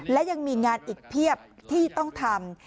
และยังมีงานอีกเพียบที่ต้องทำ